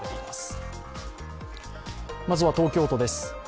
まずは東京都です。